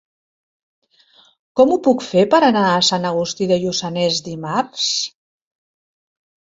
Com ho puc fer per anar a Sant Agustí de Lluçanès dimarts?